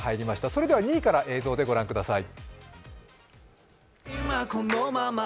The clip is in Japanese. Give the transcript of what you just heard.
それでは２位から映像でご覧ください。